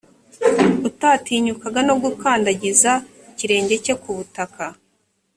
utatinyukaga no gukandagiza ikirenge cye ku butaka